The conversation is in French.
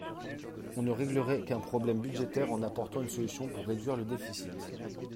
On ne réglerait qu’un problème budgétaire en apportant une solution pour réduire le déficit.